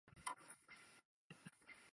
于帕尔拉克人口变化图示